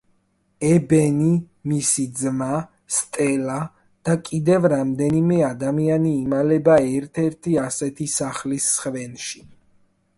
ებენი, მისი ძმა, სტელა და კიდევ რამდენიმე ადამიანი იმალება ერთ-ერთი ასეთი სახლის სხვენში.